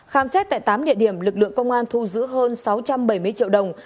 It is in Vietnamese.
khám xét tại tám địa điểm lực lượng công an thu giữ hơn sáu trăm bảy mươi triệu đồng